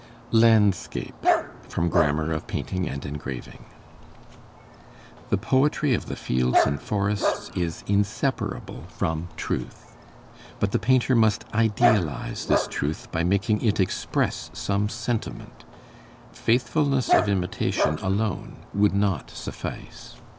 LANDSCAPE From 'Grammar of Painting and Engraving' The poetry of the fields and forests is inseparable from truth. But the painter must idealize this truth by making it express some sentiment; faithfulness of imitation alone would not suffice.